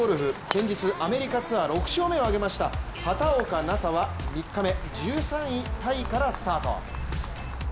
先日、アメリカツアー６勝目を挙げました畑岡奈紗は３日目、１３位タイからスタート。